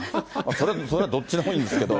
それはどっちでもいいんですけど。